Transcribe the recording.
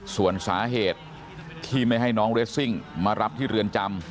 ส่วนสาเหตุที่ไม่ให้น้องเรสซิ่งมารับที่เรือนจำ